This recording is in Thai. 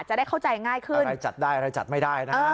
จะได้เข้าใจง่ายขึ้นใครจัดได้อะไรจัดไม่ได้นะฮะ